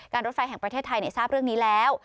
รถไฟแห่งประเทศไทยทราบเรื่องนี้แล้ว